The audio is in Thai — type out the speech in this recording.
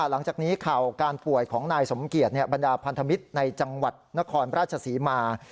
หลังจากนี้ข่าวการป่วยของนายสมเกียจบรรดาพันธมิตรในจังหวัดนครราชศรีมา